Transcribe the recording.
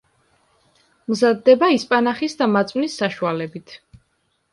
მზადდება ისპანახის და მაწვნის საშუალებით.